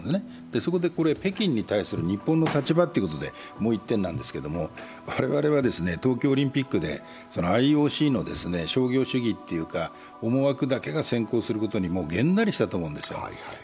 そこで北京に対する日本の立場ということでもう１点なんですけど、我々は東京オリンピックでＩＯＣの商業主義というか、思惑だけが先行することにげんなりしたとおもうんですよ。